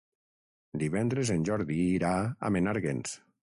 Divendres en Jordi irà a Menàrguens.